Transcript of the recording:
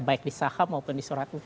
baik di saham maupun di surat utang